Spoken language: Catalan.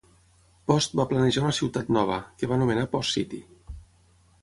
Post va planejar una ciutat nova, que va anomenar Post City.